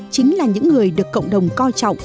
chính là những người được cộng đồng coi trọng